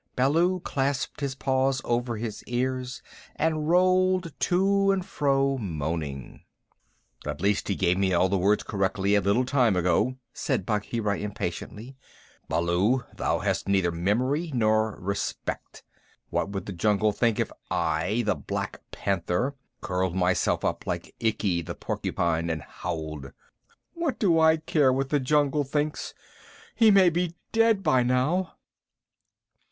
Baloo clasped his paws over his ears and rolled to and fro moaning. "At least he gave me all the Words correctly a little time ago," said Bagheera impatiently. "Baloo, thou hast neither memory nor respect. What would the jungle think if I, the Black Panther, curled myself up like Ikki the Porcupine, and howled?" "What do I care what the jungle thinks? He may be dead by now."